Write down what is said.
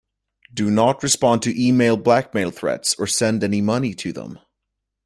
Do not respond to email blackmail threats or send any money to them.